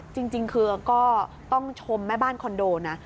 จริงคือก็ต้องชมแม่บ้านคอนโดนะ